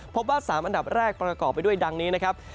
พบว่า๓อันดับแรกประกอบไปด้วยดังนี้นะครับ